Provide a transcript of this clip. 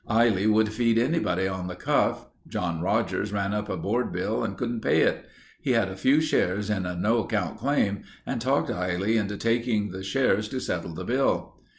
Eilly would feed anybody on the cuff. John Rodgers ran up a board bill and couldn't pay it. He had a few shares in a no count claim and talked Eilly into taking the shares to settle the bill.